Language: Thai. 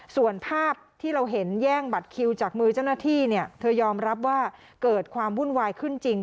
ส่วนภาพที่เราเห็นแย่งบัตรคิวจากมือเจ้าหน้าที่เธอยอมรับว่าเกิดความวุ่นวายขึ้นจริง